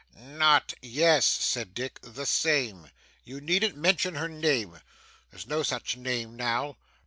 'Not ' 'Yes,' said Dick, 'the same. You needn't mention her name. There's no such name now.